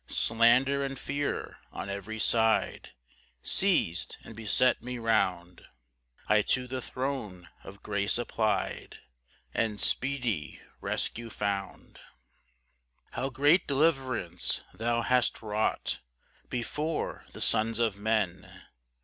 4 Slander and fear on every side, Seiz'd and beset me round; I to the throne of grace apply'd, And speedy rescue found. PAUSE. 5 How great deliverance thou hast wrought Before the sons of men!